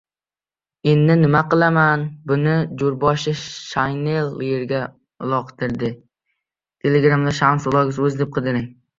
— Endi nima qilaman buni! — jo‘raboshi shinelni yerga uloqtirdi.